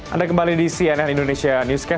anda kembali di cnn indonesia newscast